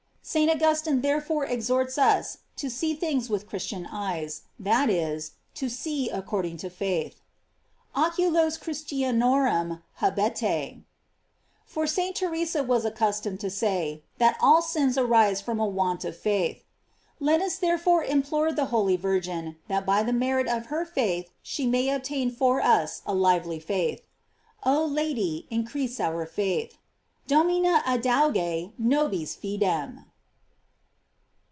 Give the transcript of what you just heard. St. Augus tine therefore exhorts us to see things with Chris, tian eyes, that is, to see according to faith: "Ocu los Christianorum habete." For St. Theresa was accustomed to say, that all sins arise from a want of faith. Let us therefore implore the holy Vir gin, that by the merit of her faith she may obtain for us a lively faith. Oh Lady, increase our faith: Domina adauge nobis fidem.